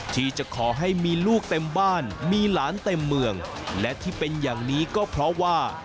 ที่จะขอให้มีลูกเต็มบ้านมีหลานเต็มเมืองและที่เป็นอย่างนี้ก็เพราะว่า